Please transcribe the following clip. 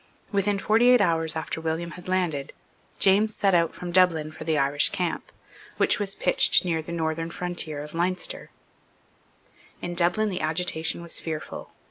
Within forty eight hours after William had landed, James set out from Dublin for the Irish camp, which was pitched near the northern frontier of Leinster, In Dublin the agitation was fearful.